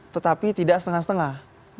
tetapi tidak setengah setengah